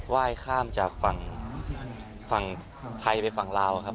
ว่ายข้ามจากฝั่งไทยไปฝั่งลาวครับ